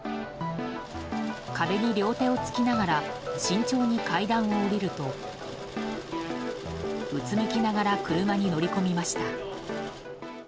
壁に両手をつきながら慎重に階段を下りるとうつむきながら車に乗り込みました。